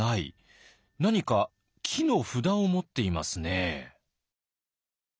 何か木の札を持っていますね。